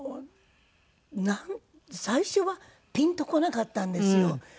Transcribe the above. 最初はピンとこなかったんですよ。